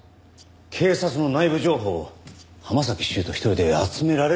警察の内部情報を浜崎修斗一人で集められるものか。